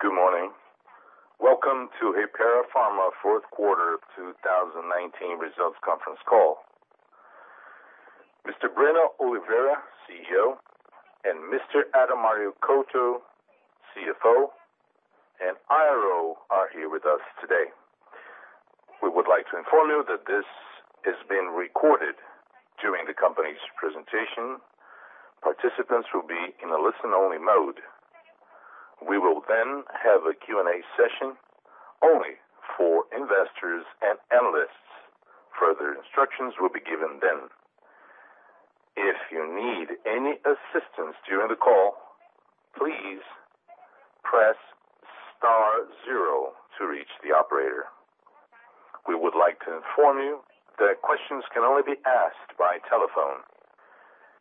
Good morning. Welcome to Hypera Pharma fourth quarter 2019 results conference call. Mr. Breno Oliveira, CEO, and Mr. Adalmario Couto, CFO and IRO, are here with us today. We would like to inform you that this is being recorded. During the company's presentation, participants will be in a listen-only mode. We will have a Q&A session only for investors and analysts. Further instructions will be given then. If you need any assistance during the call, please press star zero to reach the operator. We would like to inform you that questions can only be asked by telephone.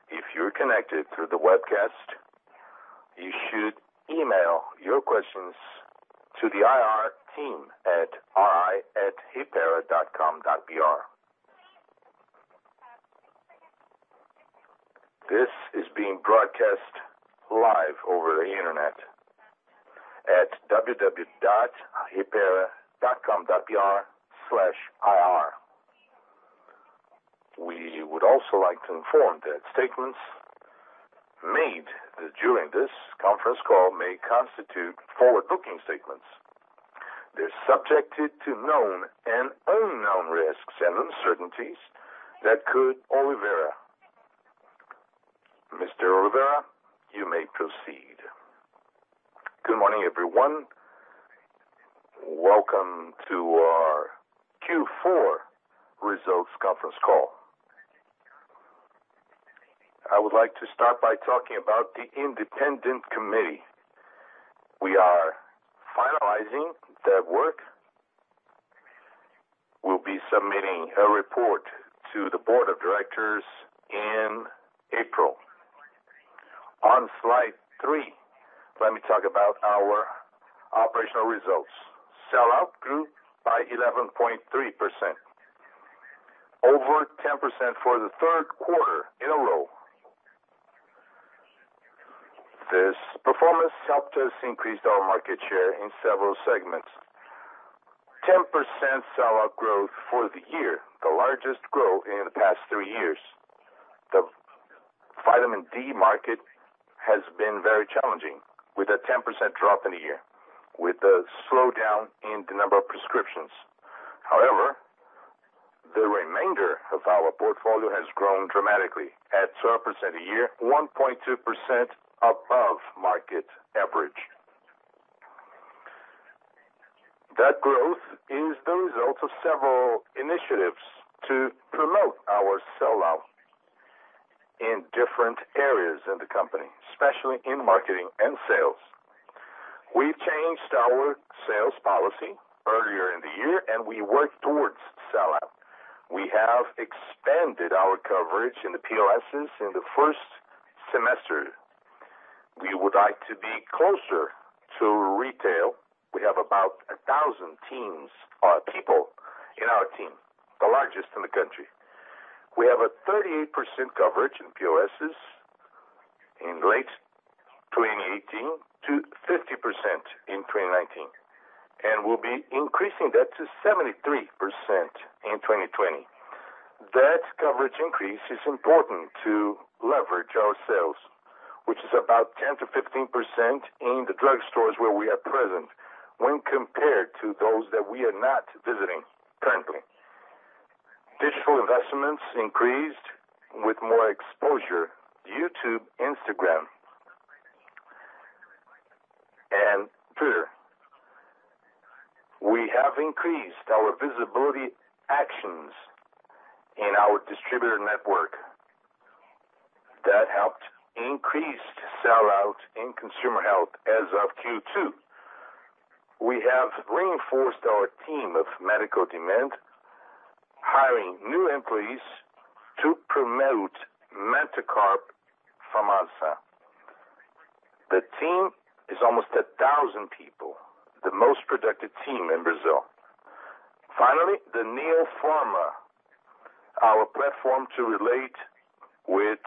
If you're connected through the webcast, you should email your questions to the IR team at ir@hypera.com.br. This is being broadcast live over the internet at www.hypera.com.br/ir. We would also like to inform that statements made during this conference call may constitute forward-looking statements. They're subjected to known and unknown risks and uncertainties that could... Oliveira. Mr. Oliveira, you may proceed. Good morning, everyone. Welcome to our Q4 results conference call. I would like to start by talking about the independent committee. We are finalizing that work. We'll be submitting a report to the board of directors in April. On slide three, let me talk about our operational results. Sell-out grew by 11.3%, over 10% for the third quarter in a row. This performance helped us increase our market share in several segments. 10% Sell-out growth for the year, the largest growth in the past three years. The vitamin D market has been very challenging, with a 10% drop in a year, with a slowdown in the number of prescriptions. The remainder of our portfolio has grown dramatically at 12% a year, 1.2% above market average. That growth is the result of several initiatives to promote our sell-out in different areas of the company, especially in marketing and sales. We've changed our sales policy earlier in the year, and we work towards sell-out. We have expanded our coverage in the POSs in the first semester. We would like to be closer to retail. We have about 1,000 people in our team, the largest in the country. We have a 38% coverage in POSs in late 2018 to 50% in 2019, and we'll be increasing that to 73% in 2020. That coverage increase is important to leverage our sales, which is about 10%-15% in the drugstores where we are present when compared to those that we are not visiting currently. Digital investments increased with more exposure to YouTube, Instagram, and Twitter. We have increased our visibility actions in our distributor network. That helped increase sell-out in consumer health as of Q2. We have reinforced our team of medical demand, hiring new employees to promote Mantecorp Farmasa. The team is almost 1,000 people, the most productive team in Brazil. Finally, the Neo Pharma, our platform to relate with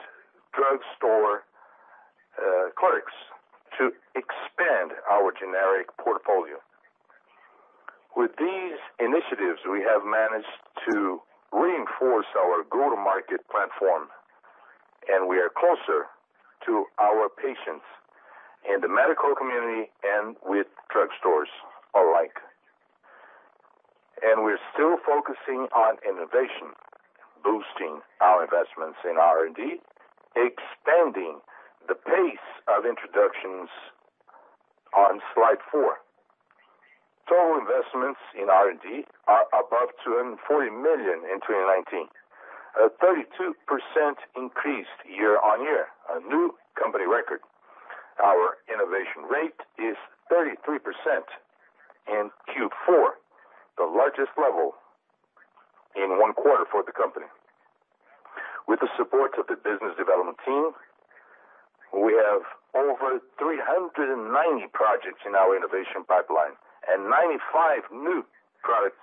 drugstore clerks to expand our generic portfolio. With these initiatives, we have managed to reinforce our go-to-market platform, and we are closer to our patients in the medical community and with drugstores alike. We're still focusing on innovation, boosting our investments in R&D, expanding the pace of introductions on slide four. Total investments in R&D are above 240 million in 2019. A 32% increase year-on-year, a new company record. Our innovation rate is 33% in Q4, the largest level in one quarter for the company. With the support of the business development team, we have over 390 projects in our innovation pipeline and 95 new products,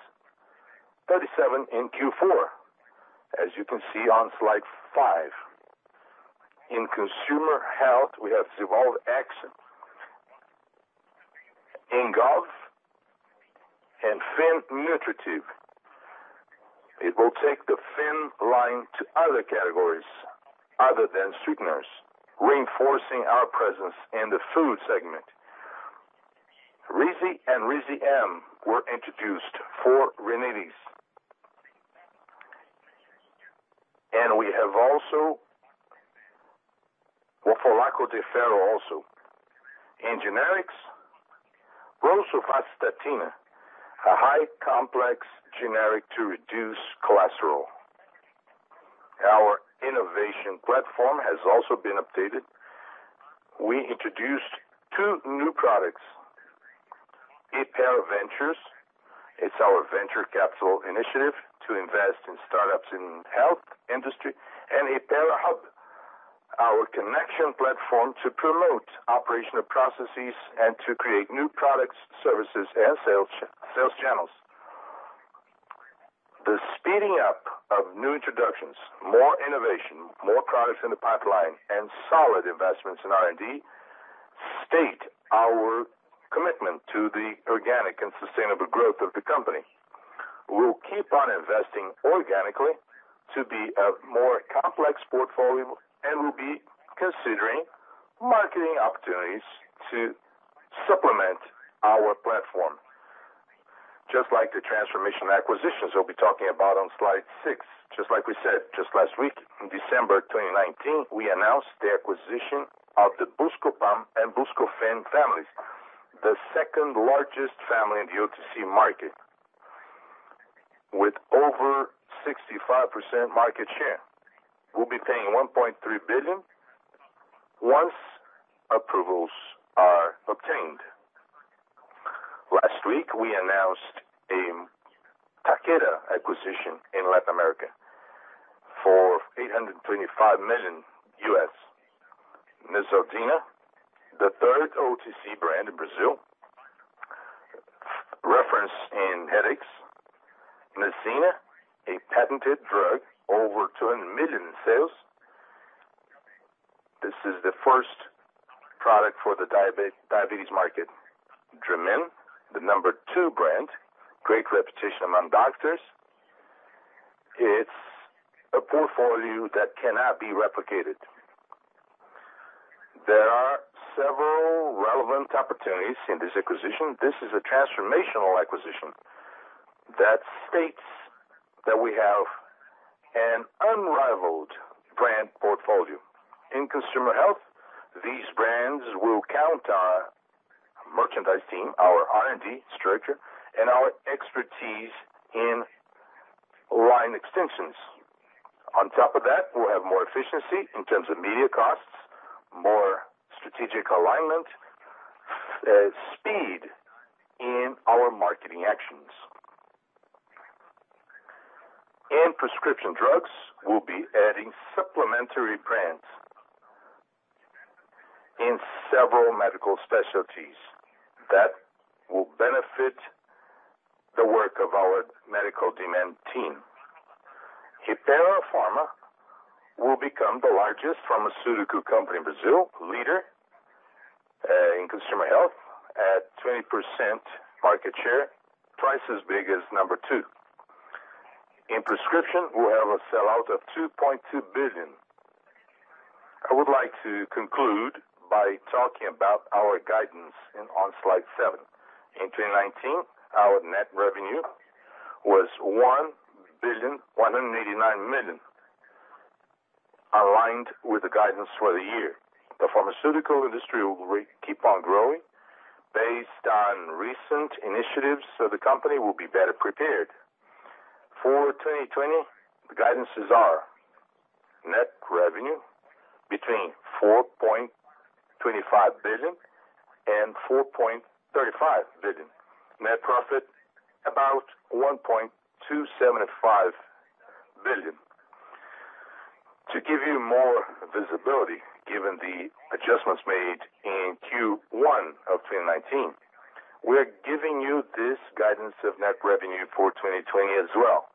37 in Q4, as you can see on slide five. In consumer health, we have [Souvie], Engov and Finn Nutritive. It will take the Finn line to other categories other than sweeteners, reinforcing our presence in the food segment. Rizi and Rizi-M were introduced for rhinitis. We have [Flogoral de ferro] also. In generics, rosuvastatin, a high complex generic to reduce cholesterol. Our innovation platform has also been updated. We introduced two new products. Hypera Ventures, it's our venture capital initiative to invest in startups in health industry, and HyperaHub, our connection platform to promote operational processes and to create new products, services, and sales channels. The speeding up of new introductions, more innovation, more products in the pipeline, and solid investments in R&D, state our commitment to the organic and sustainable growth of the company. We'll keep on investing organically to be a more complex portfolio, and we'll be considering marketing opportunities to supplement our platform. Just like the transformational acquisitions we'll be talking about on slide six, just like we said just last week, in December 2019, we announced the acquisition of the Buscopan and Buscofem families, the second-largest family in the OTC market, with over 65% market share. We'll be paying 1.3 billion, once approvals are obtained. Last week, we announced a Takeda acquisition in Latin America for $825 million. Neosaldina, the third OTC brand in Brazil, reference in headaches. Nesina, a patented drug, over 200 million in sales. This is the first product for the diabetes market. Dramin, the number two brand, great reputation among doctors. It's a portfolio that cannot be replicated. There are several relevant opportunities in this acquisition. This is a transformational acquisition that states that we have an unrivaled brand portfolio. In consumer health, these brands will count on our merchandise team, our R&D structure, and our expertise in line extensions. On top of that, we'll have more efficiency in terms of media costs, more strategic alignment, speed in our marketing actions. In prescription drugs, we'll be adding supplementary brands in several medical specialties that will benefit the work of our medical demand team. Hypera Pharma will become the largest pharmaceutical company in Brazil, leader in consumer health at 20% market share, twice as big as number two. In prescription, we'll have a sellout of 2.2 billion. I would like to conclude by talking about our guidance on slide seven. In 2019, our net revenue was 1,189 million, aligned with the guidance for the year. The pharmaceutical industry will keep on growing based on recent initiatives, so the company will be better prepared. For 2020, the guidances are net revenue between 4.25 billion and 4.35 billion. Net profit, about 1.275 billion. To give you more visibility, given the adjustments made in Q1 of 2019, we're giving you this guidance of net revenue for 2020 as well.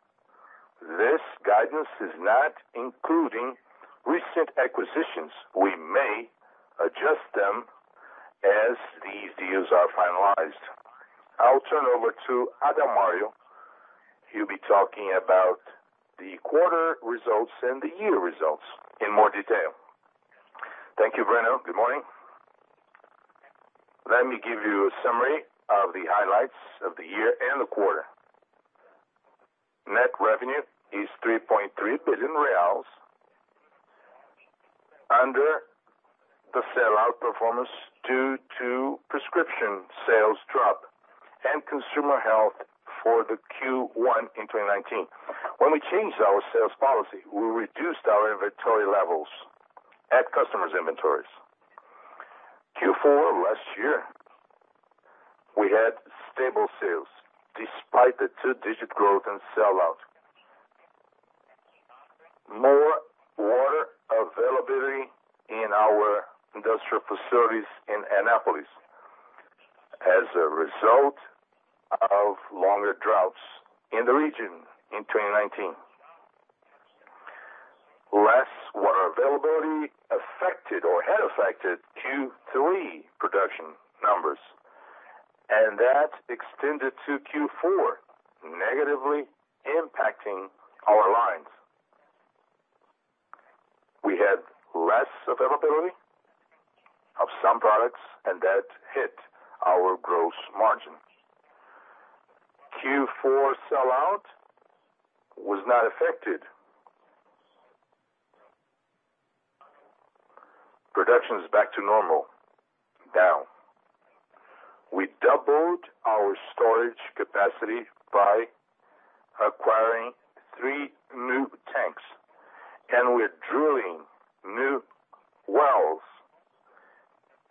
This guidance is not including recent acquisitions. We may adjust them as these deals are finalized. I'll turn over to Adalmario. He'll be talking about the quarter results and the year results in more detail. Thank you, Breno. Good morning. Let me give you a summary of the highlights of the year and the quarter. Net revenue is 3.3 billion reais, under the sell-out performance due to prescription sales drop and consumer health for the Q1 in 2019. When we changed our sales policy, we reduced our inventory levels at customers' inventories. Q4 last year, we had stable sales despite the two-digit growth and sell-out. Less water availability in our industrial facilities in Anápolis as a result of longer droughts in the region in 2019. Less water availability affected or had affected Q3 production numbers, and that extended to Q4, negatively impacting our lines. We had less availability of some products, and that hit our gross margins. Q4 sell-out was not affected. Production is back to normal now. We doubled our storage capacity by acquiring three new tanks, and we're drilling new wells,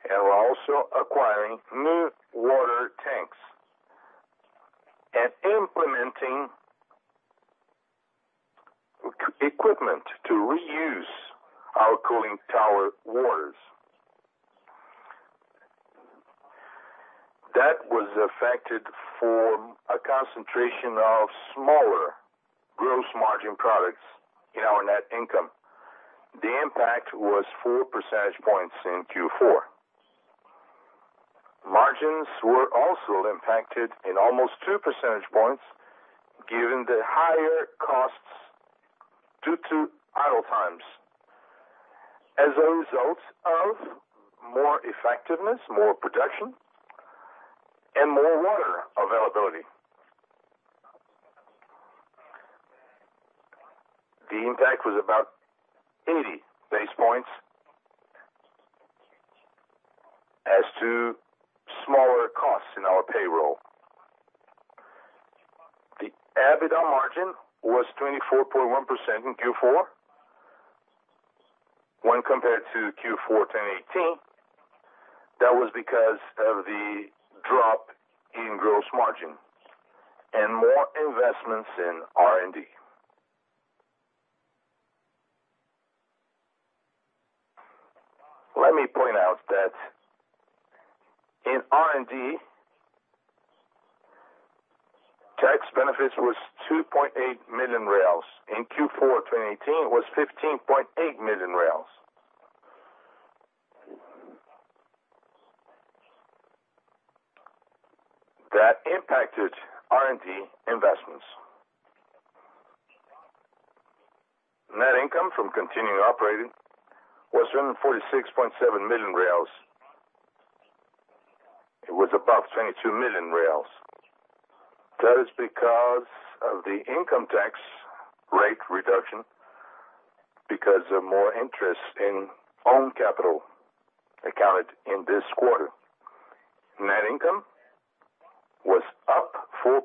and we're also acquiring new water tanks and implementing equipment to reuse our cooling tower waters. That was affected for a concentration of smaller gross margin products in our net income. The impact was 4 percentage points in Q4. Margins were also impacted in almost 2 percentage points, given the higher costs due to idle times. As a result of more effectiveness, more production, and more water availability. The impact was about 80 base points as to smaller costs in our payroll. The EBITDA margin was 24.1% in Q4. When compared to Q4 2018, that was because of the drop in gross margin and more investments in R&D. Let me point out that in R&D, tax benefits was 2.8 million. In Q4 2018, it was 15.8 million. That impacted R&D investments. Net income from continuing operating was 146.7 million. It was above 22 million. That is because of the income tax rate reduction because of more interest on own capital accounted in this quarter. Net income was up 4.5%,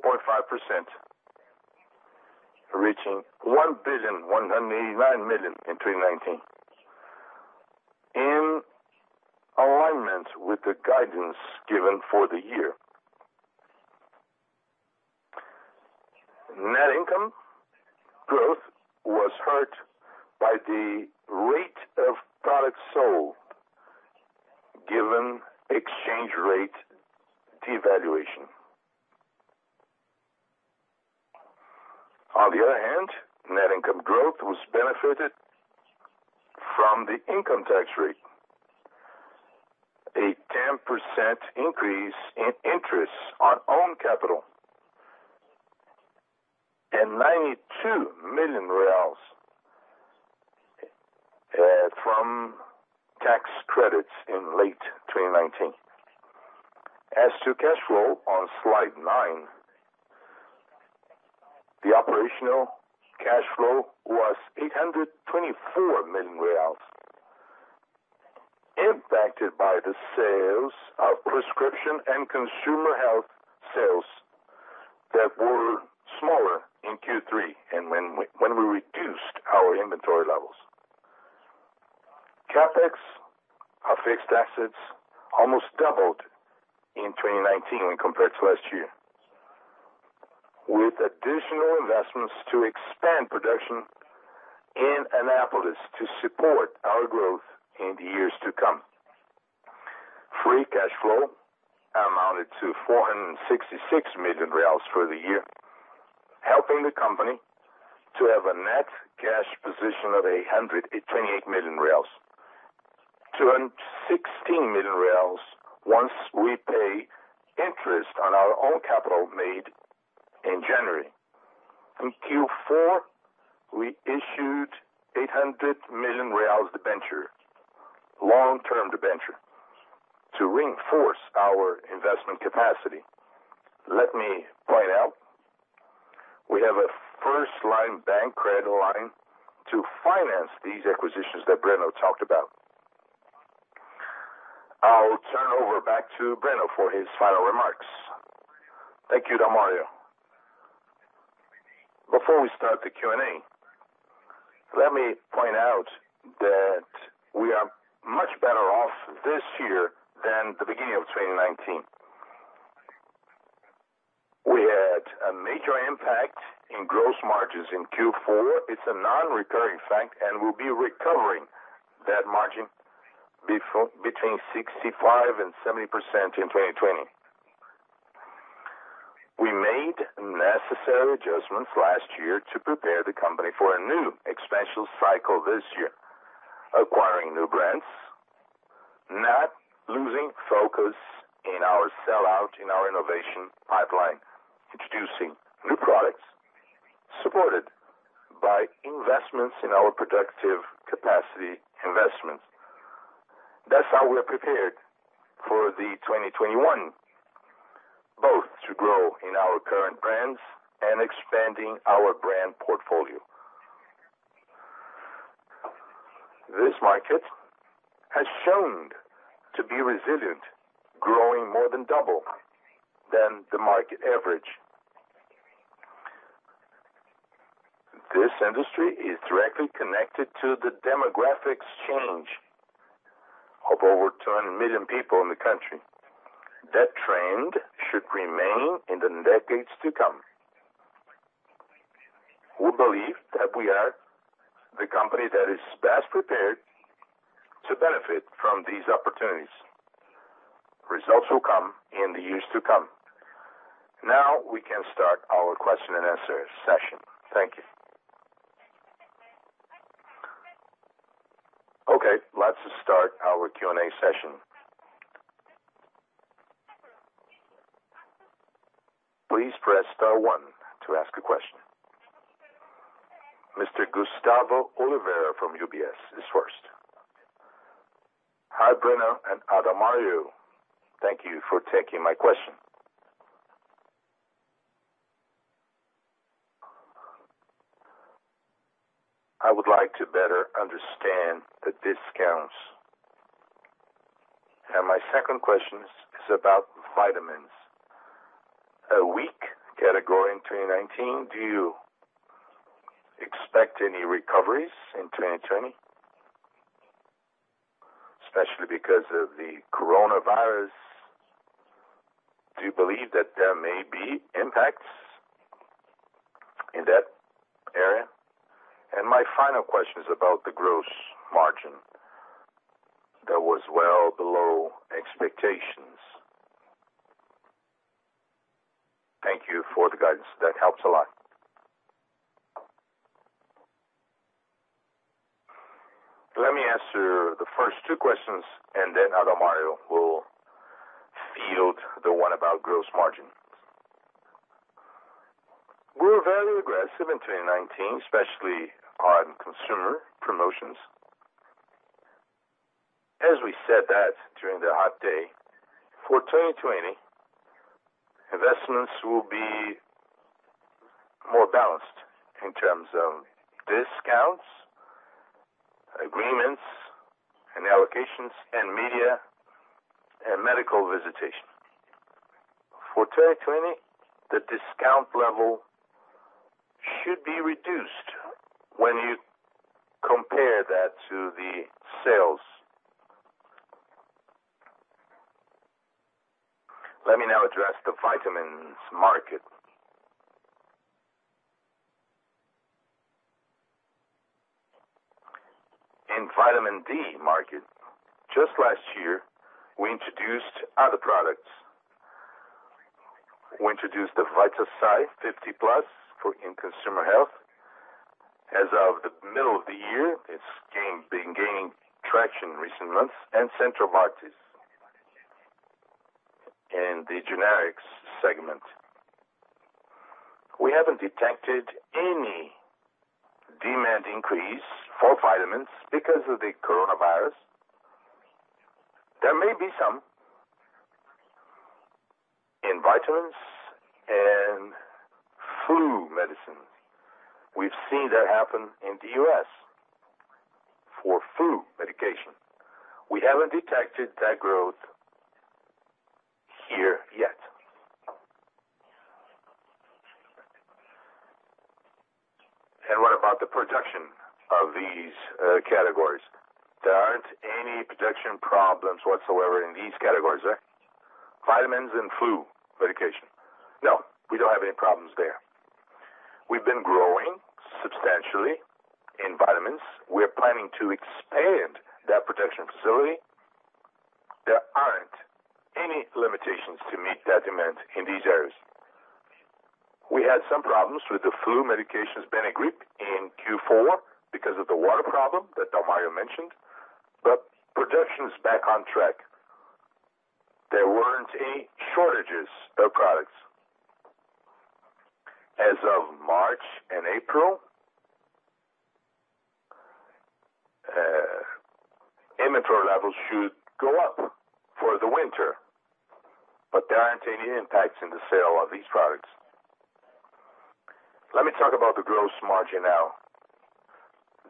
reaching BRL 1,189 million in 2019. In alignment with the guidance given for the year. Net income growth was hurt by the rate of products sold given exchange rate devaluation. On the other hand, net income growth was benefited from the income tax rate, a 10% increase in interest on own capital, and 92 million reais from tax credits in late 2019. As to cash flow on slide nine, the operational cash flow was 824 million reais, impacted by the sales of prescription and consumer health sales that were smaller in Q3 and when we reduced our inventory levels. CapEx, our fixed assets, almost doubled in 2019 when compared to last year, with additional investments to expand production in Anápolis to support our growth in the years to come. Free cash flow amounted to 466 million reais for the year, helping the company to have a net cash position of 128 million reais, 216 million reais once we pay interest on our own capital made in January. In Q4, we issued 800 million reais debenture, long-term debenture, to reinforce our investment capacity. Let me point out, we have a first-line bank credit line to finance these acquisitions that Breno talked about. I'll turn over back to Breno for his final remarks. Thank you, Adalmario. Before we start the Q&A, let me point out that we are much better off this year than the beginning of 2019. A major impact in gross margins in Q4. It's a non-recurring fact. We'll be recovering that margin between 65% and 70% in 2020. We made necessary adjustments last year to prepare the company for a new expansion cycle this year, acquiring new brands, not losing focus in our sell-out, in our innovation pipeline, introducing new products supported by investments in our productive capacity investments. That's how we're prepared for the 2021, both to grow in our current brands and expanding our brand portfolio. This market has shown to be resilient, growing more than double than the market average. This industry is directly connected to the demographics change of over 200 million people in the country. That trend should remain in the decades to come. We believe that we are the company that is best prepared to benefit from these opportunities. Results will come in the years to come. Now we can start our question and answer session. Thank you. Okay, let's start our Q&A session. Please press star one to ask a question. Mr. Gustavo Oliveira from UBS is first. Hi, Breno and Adalmario. Thank you for taking my question. I would like to better understand the discounts. My second question is about vitamins. A weak category in 2019. Do you expect any recoveries in 2020? Especially because of the coronavirus, do you believe that there may be impacts in that area? My final question is about the gross margin. That was well below expectations. Thank you for the guidance. That helps a lot. Let me answer the first two questions, and then Adalmario will field the one about gross margin. We were very aggressive in 2019, especially on consumer promotions. As we said that during the update, for 2020, investments will be more balanced in terms of discounts, agreements, and allocations in media and medical visitation. For 2020, the discount level should be reduced when you compare that to the sales. Let me now address the vitamins market. In vitamin D market, just last year, we introduced other products. We introduced the Vitasay 50+ in consumer health. As of the middle of the year, it's been gaining traction in recent months, and [Centro Artís] in the generics segment. We haven't detected any demand increase for vitamins because of the coronavirus. There may be some in vitamins and flu medicines. We've seen that happen in the U.S. for flu medication. What about the production of these categories? There aren't any production problems whatsoever in these categories, vitamins and flu medication. No, we don't have any problems there. We've been growing substantially in vitamins. We're planning to expand that production facility. There aren't any limitations to meet that demand in these areas. We had some problems with the flu medications Benegrip in Q4 because of the water problem that Adalmario mentioned, but production is back on track. There weren't any shortages of products. As of March and April, inventory levels should go up for the winter, but there aren't any impacts in the sale of these products. Let me talk about the gross margin now.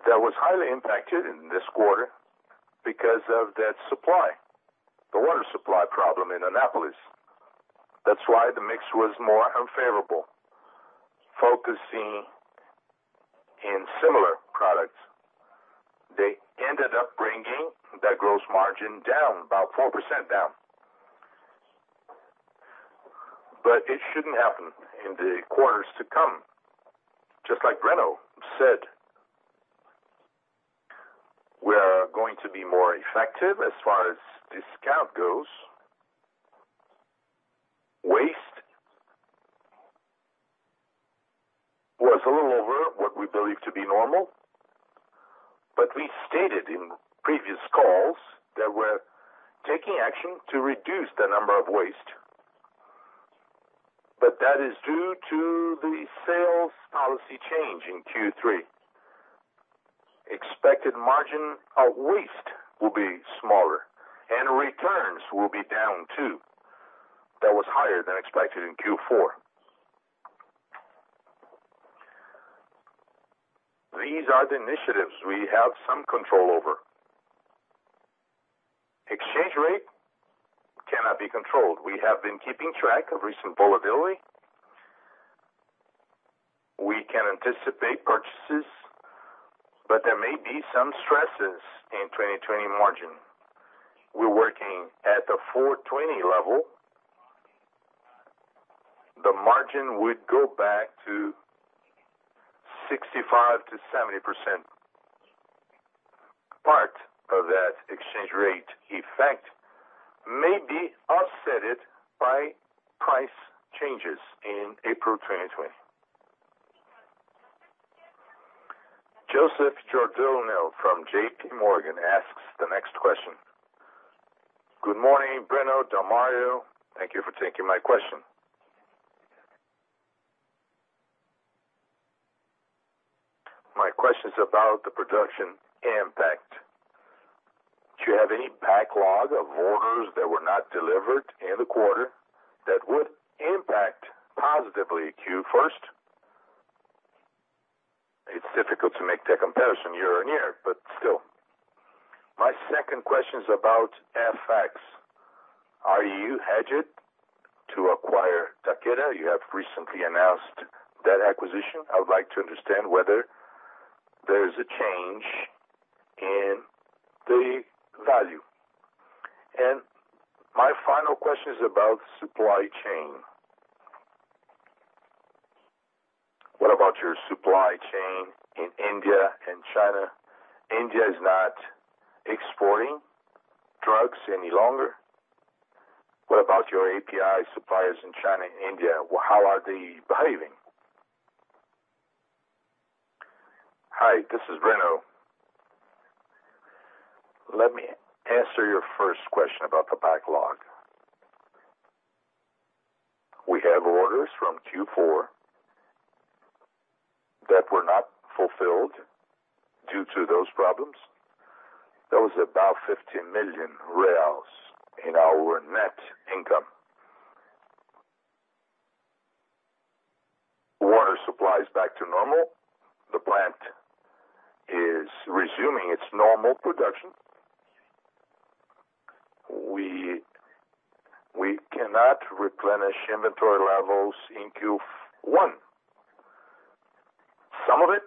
That was highly impacted in this quarter because of that supply, the water supply problem in Anápolis. That's why the mix was more unfavorable. That gross margin down, about 4% down. It shouldn't happen in the quarters to come. Just like Breno said, we are going to be more effective as far as discount goes. Waste was a little over what we believe to be normal, but we stated in previous calls that we're taking action to reduce the number of waste. That is due to the sales policy change in Q3. Expected margin of waste will be smaller and returns will be down too. That was higher than expected in Q4. These are the initiatives we have some control over. Exchange rate cannot be controlled. We have been keeping track of recent volatility. We can anticipate purchases, but there may be some stresses in 2020 margin. We're working at the 4.20 level. The margin would go back to 65%-70%. Part of that exchange rate effect may be offset by price changes in April 2020. Joseph Giordano from JPMorgan asks the next question. Good morning, Breno, Adalmario. Thank you for taking my question. My question's about the production impact. Do you have any backlog of orders that were not delivered in the quarter that would impact positively Q1? It's difficult to make the comparison year-on-year, but still. My second question's about FX. Are you hedged to acquire Takeda? You have recently announced that acquisition. I would like to understand whether there is a change in the value. My final question is about supply chain. What about your supply chain in India and China? India is not exporting drugs any longer. What about your API suppliers in China, India? How are they behaving? Hi, this is Breno. Let me answer your first question about the backlog. We have orders from Q4 that were not fulfilled due to those problems. That was about 15 million reais in our net income. Water supply is back to normal. The plant is resuming its normal production. We cannot replenish inventory levels in Q1. Some of it,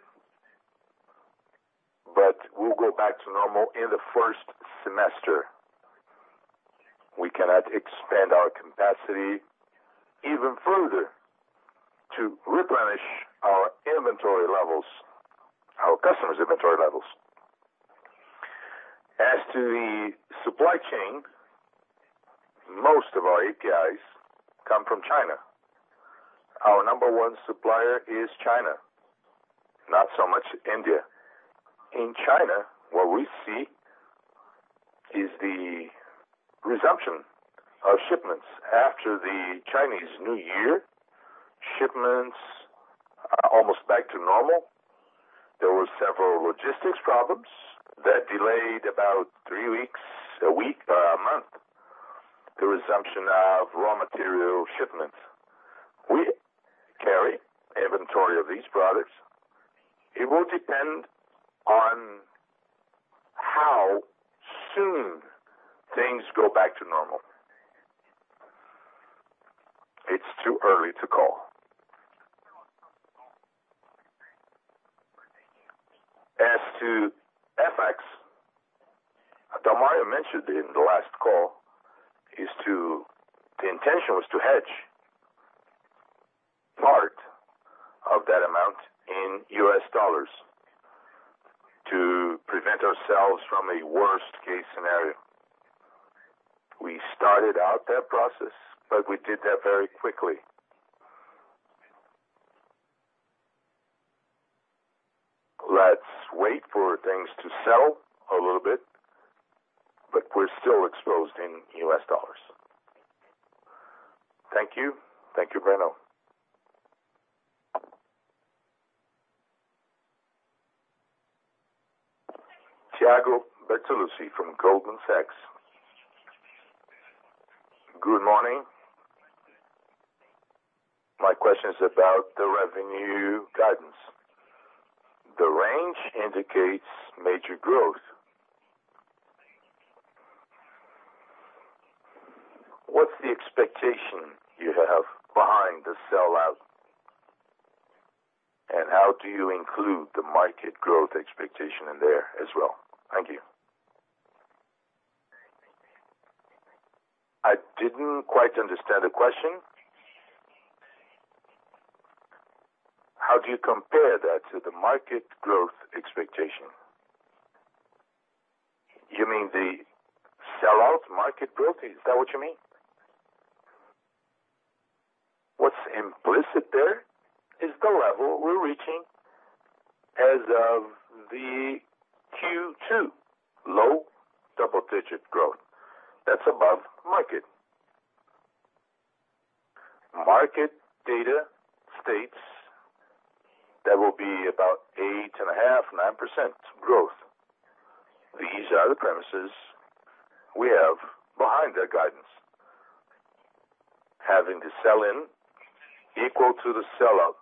but we'll go back to normal in the first semester. We cannot expand our capacity even further to replenish our inventory levels, our customers' inventory levels. As to the supply chain, most of our APIs come from China. Our number one supplier is China, not so much India. In China, what we see is the resumption of shipments after the Chinese New Year. Shipments are almost back to normal. There were several logistics problems that delayed about one month, the resumption of raw material shipments. We carry inventory of these products. It will depend on how soon things go back to normal. It's too early to call. As to FX, Adalmario mentioned in the last call, the intention was to hedge part of that amount in U.S. dollars to prevent ourselves from a worst-case scenario. We started out that process, but we did that very quickly. Let's wait for things to settle a little bit, but we're still exposed in U.S. dollars. Thank you. Thank you, Breno. Thiago Bortoluci from Goldman Sachs. Good morning. My question is about the revenue guidance. The range indicates major growth. What's the expectation you have behind the sell-out? How do you include the market growth expectation in there as well? Thank you. I didn't quite understand the question. How do you compare that to the market growth expectation? You mean the sell-out market growth? Is that what you mean? What's implicit there is the level we're reaching as of the Q2, low double-digit growth. That's above market. Market data states that will be about 8.5%, 9% growth. These are the premises we have behind that guidance. Having the sell-in equal to the sellout.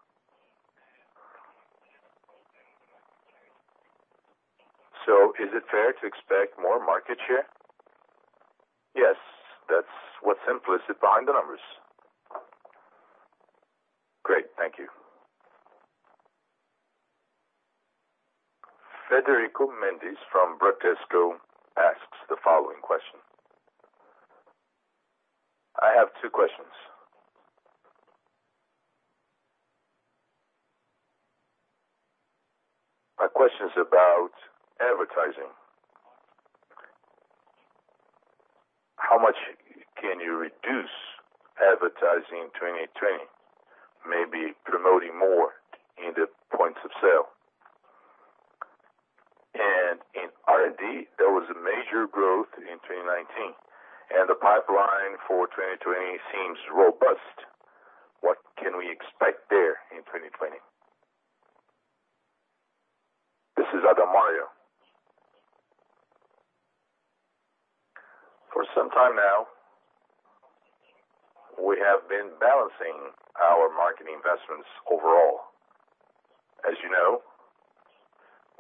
Is it fair to expect more market share? Yes. That's what's implicit behind the numbers. Great. Thank you. Frederico Mendes from Bradesco asks the following question. I have two questions. My question's about advertising. How much can you reduce advertising in 2020? Maybe promoting more in the points of sale. In R&D, there was a major growth in 2019, and the pipeline for 2020 seems robust. What can we expect there in 2020? This is Adalmario. For some time now, we have been balancing our marketing investments overall. As you know,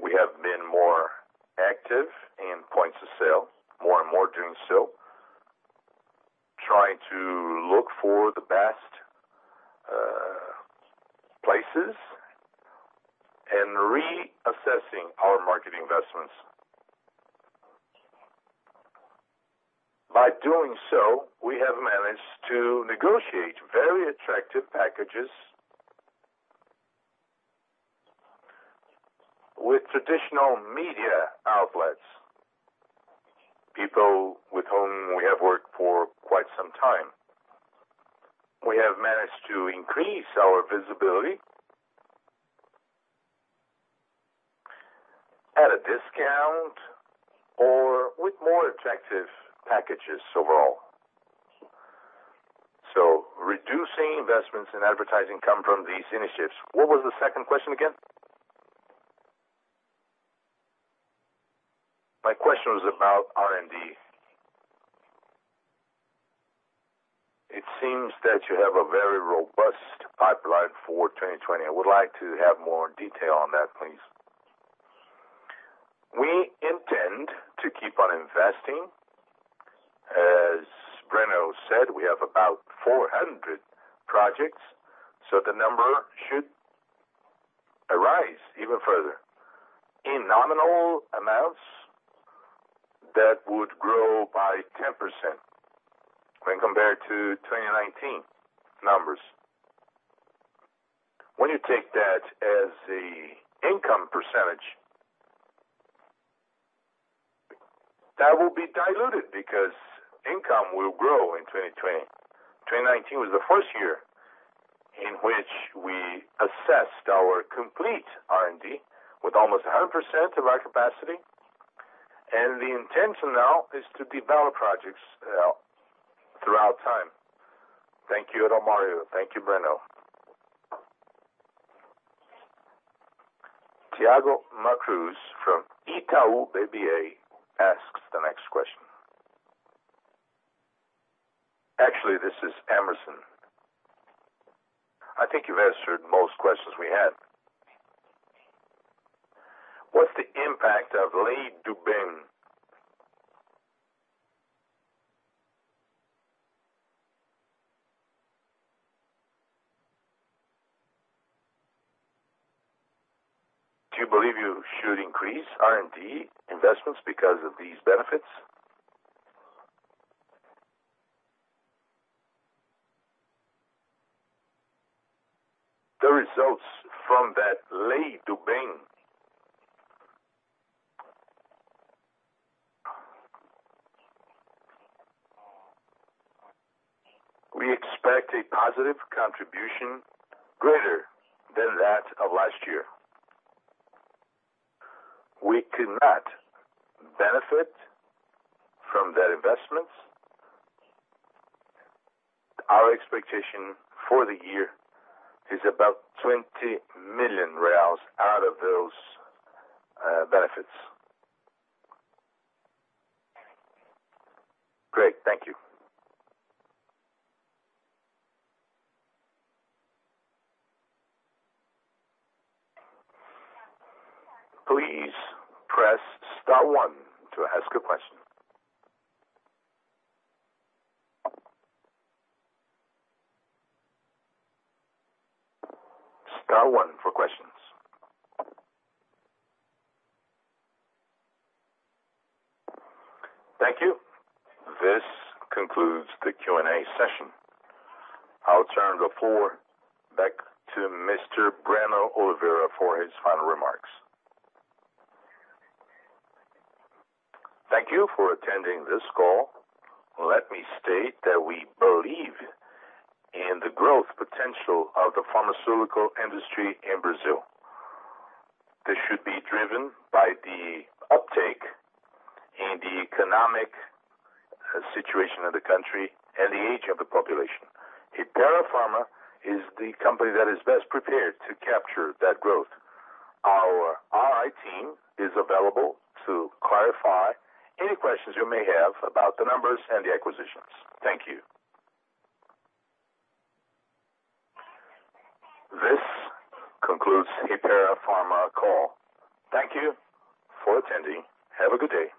we have been more active in points of sale, more and more doing so, trying to look for the best places and reassessing our marketing investments. By doing so, we have managed to negotiate very attractive packages with traditional media outlets, people with whom we have worked for quite some time. We have managed to increase our visibility at a discount or with more attractive packages overall. Reducing investments in advertising come from these initiatives. What was the second question again? My question was about R&D. It seems that you have a very robust pipeline for 2020. I would like to have more detail on that, please. We intend to keep on investing. As Breno said, we have about 400 projects, so the number should arise even further. In nominal amounts, that would grow by 10% when compared to 2019 numbers. When you take that as the income percentage, that will be diluted because income will grow in 2020. 2019 was the first year in which we assessed our complete R&D with almost 100% of our capacity. The intention now is to develop projects throughout time. Thank you, Adalmario. Thank you, Breno. Thiago Cruz from Itaú BBA asks the next question. Actually, this is Emerson. I think you've answered most questions we had. What's the impact of Lei do Bem? Do you believe you should increase R&D investments because of these benefits? The results from that Lei do Bem, we expect a positive contribution greater than that of last year. We could not benefit from that investment. Our expectation for the year is about 20 million reais out of those benefits. Great. Thank you. Please press star one to ask a question. Star one for questions. Thank you. This concludes the Q&A session. I'll turn the floor back to Mr. Breno Oliveira for his final remarks. Thank you for attending this call. Let me state that we believe in the growth potential of the pharmaceutical industry in Brazil. This should be driven by the uptake in the economic situation of the country and the age of the population. Hypera Pharma is the company that is best prepared to capture that growth. Our IR team is available to clarify any questions you may have about the numbers and the acquisitions. Thank you. This concludes Hypera Pharma call. Thank you for attending. Have a good day.